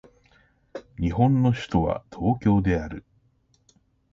日本の首都は東京である